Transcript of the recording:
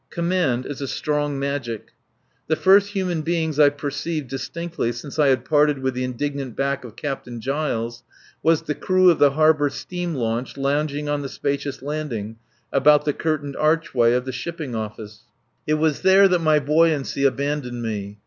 Command is a strong magic. The first human beings I perceived distinctly since I had parted with the indignant back of Captain Giles were the crew of the harbour steam launch lounging on the spacious landing about the curtained archway of the shipping office. It was there that my buoyancy abandoned me.